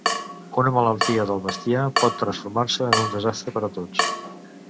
Una malaltia del bestiar pot transformar-se en un desastre per a tots.